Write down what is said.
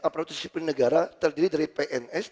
aparatur sipil negara terdiri dari pns